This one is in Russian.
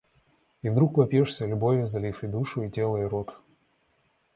И вдруг вопьешься, любовью залив и душу, и тело, и рот.